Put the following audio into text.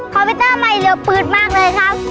พิวเตอร์ใหม่เหลือปืดมากเลยครับ